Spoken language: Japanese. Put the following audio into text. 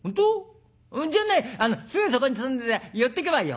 じゃあねすぐそこに住んでて寄ってけばいいよ」。